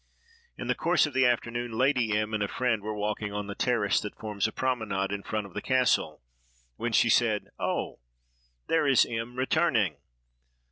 In the course of the afternoon, Lady M—— and a friend were walking on the terrace that forms a promenade in front of the castle, when she said, "Oh, there is M—— returning!"